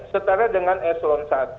setara dengan echelon satu